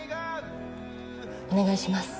お願いします。